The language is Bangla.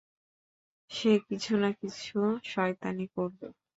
সে কিছু না কিছু শয়তানি করবে।